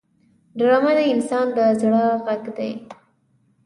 ډرامه د انسان د زړه غږ دی